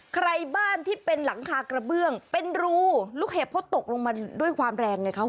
ใครบ้านที่เป็นหลังคากระเบื้องเป็นรูลูกเห็บเขาตกลงมาด้วยความแรงไงคะ